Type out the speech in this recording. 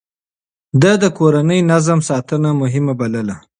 ده د کورني نظم ساتنه مهمه بلله.